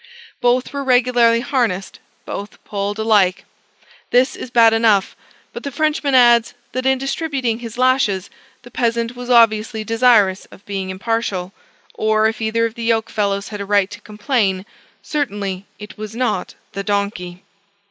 Both were regularly harnessed: both pulled alike. This is bad enough: but the Frenchman adds, that, in distributing his lashes, the peasant was obviously desirous of being impartial: or, if either of the yoke fellows had a right to complain, certainly it was not the donkey.